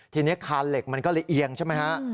ทีนี้คานเหล็กมันก็เลยเอียงใช่ไหมฮะ